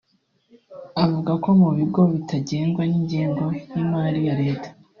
avuga ko mu bigo bitagengwa n’ingengo y’imari ya leta